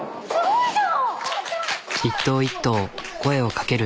すごいじゃん。